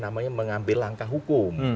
namanya mengambil langkah hukum